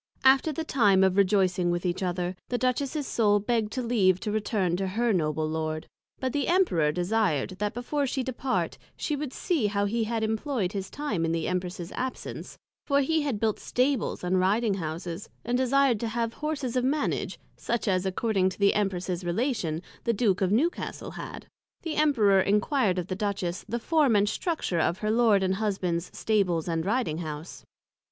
After the time of rejoicing with each other, the Duchess's Soul begg'd leave to return to her Noble Lord: But the Emperor desired, that before she departed, she would see how he had employed his time in the Empress's absence; for he had built Stables and Riding Houses, and desired to have Horses of Manage, such as, according to the Empress's Relation, the Duke of Newcastlehad: The Emperor enquired of the Duchess, the Form and Structure of her Lord and Husband's Stables and Riding House.